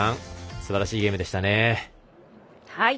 すばらしいゲームでしたね。